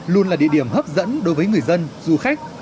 luôn là địa điểm hấp dẫn đối với người dân du khách